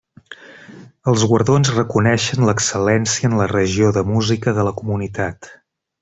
Els guardons reconeixen l'excel·lència en la regió de música de la comunitat.